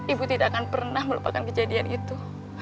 ibu tidak akan pernah melupakan kejadian itu